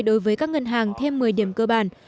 đối với các ngân hàng thêm một mươi điểm cơ bản